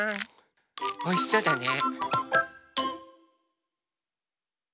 おいしそうだね。